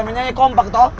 bisa menyanyi kompak tau